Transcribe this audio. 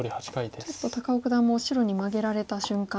ちょっと高尾九段も白にマゲられた瞬間